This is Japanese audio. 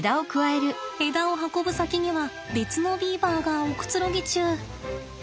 枝を運ぶ先には別のビーバーがおくつろぎ中。